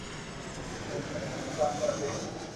او ني کاوا دي